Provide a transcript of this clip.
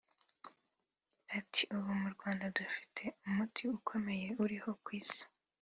Ati “Ubu mu Rwanda dufite umuti ukomeye uriho ku Isi